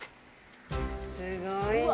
すごいね。